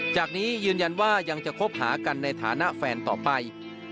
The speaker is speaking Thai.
จากนี้ยืนยันว่ายังจะคบหากันในฐานะแฟนต่อไป